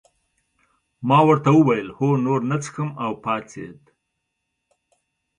ما ورته وویل هو نور نه څښم او پاڅېد.